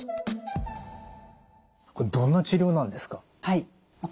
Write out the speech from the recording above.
どんな治療なんですか？